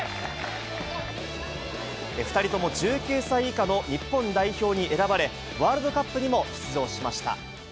２人とも１９歳以下の日本代表に選ばれ、ワールドカップにも出場しました。